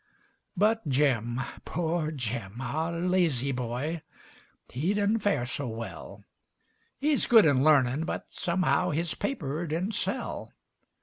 But Jim poor Jim! our lazy boy He did'nt fare so well; He's good in larnin', but, somehow, His paper didn't sell.